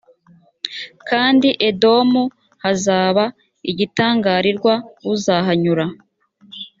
kandi edomu hazaba igitangarirwa uzahanyura